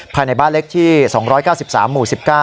ภายในบ้านเล็กที่๒๙๓หมู่๑๙